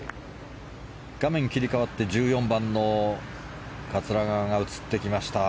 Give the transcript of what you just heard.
画面切り替わって１４番の桂川が映ってきました。